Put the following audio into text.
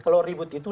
kalau ribut itu